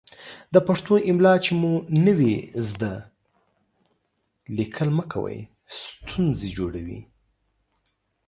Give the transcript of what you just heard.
د پښتو املا چې مو نه وي ذده، ليکل مه کوئ ستونزې جوړوي.